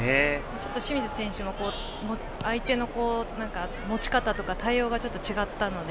清水選手の相手の持ち方とか対応がちょっと違ったので。